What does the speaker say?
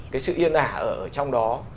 cái sự yên ả ở trong đó